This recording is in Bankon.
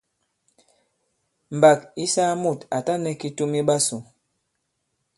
Mbàk ǐ saa mùt à ta nɛ kitum i ɓasū.